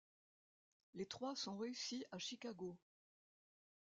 Les trois sont réussis à Chicago.